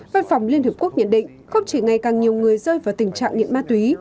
văn phòng liên hợp quốc nhận định không chỉ ngày càng nhiều người rơi vào tình trạng nghiện ma túy